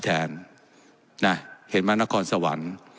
และยังเป็นประธานกรรมการอีก